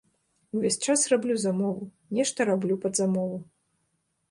Увесь час раблю замову, нешта раблю пад замову.